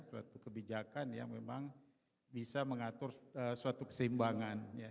suatu kebijakan yang memang bisa mengatur suatu keseimbangan